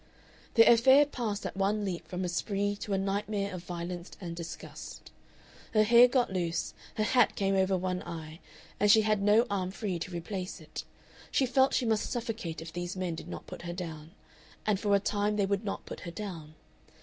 The affair passed at one leap from a spree to a nightmare of violence and disgust. Her hair got loose, her hat came over one eye, and she had no arm free to replace it. She felt she must suffocate if these men did not put her down, and for a time they would not put her down.